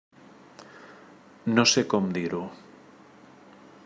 No sé com dir-ho.